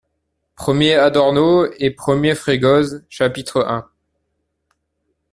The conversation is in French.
- premier ADORNO ET premier FREGOSE, CHAPITRE un.